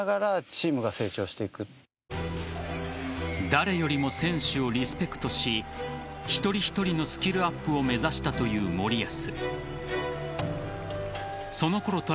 誰よりも選手をリスペクトし一人一人のスキルアップを目指したという森保。